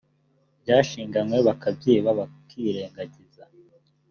byashinganywe bakabyiba bakirengagiza